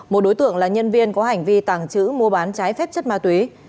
một đối tượng là nhân viên có hành vi tàng trữ mua bán trái phép chất ma túy